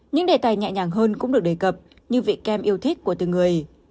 những đề tài nhẹ nhàng hơn cũng được đề cập như vị kem yêu thích của từng người